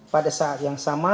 pada saat yang sama